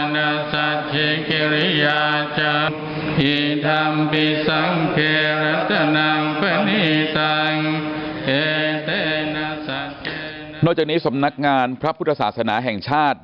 นอกจากนี้สำนักงานพระพุทธศาสนาแห่งชาติ